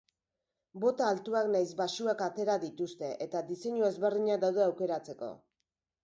Bota altuak nahiz baxuak atera dituzte eta diseinu ezberdinak daude aukeratzeko.